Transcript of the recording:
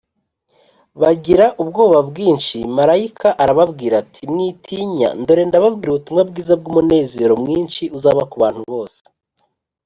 : bagira ubwoba bwinshi. Marayika arababwira ati “Mwitinya, dore ndababwira ubutumwa bwiza bw’umunezero mwinshi uzaba ku bantu bose